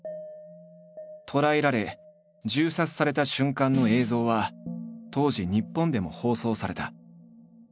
捕らえられ銃殺された瞬間の映像は当時日本でも放送された。